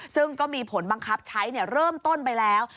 ซึ่งก็มีผลบังคับใช้เริ่มต้นไปแล้ว